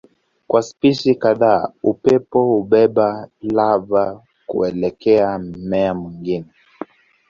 Kwa spishi kadhaa upepo hubeba lava kuelekea mmea mwingine.